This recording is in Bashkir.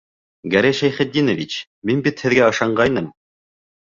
Гәрәй Шәйхетдинович, мин бит һеҙгә ышанғайным.